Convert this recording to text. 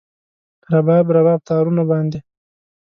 رباب، رباب تارونو باندې